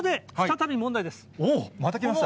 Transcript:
またきました。